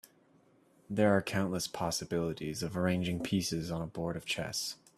There are countless possibilities of arranging pieces on a board of chess.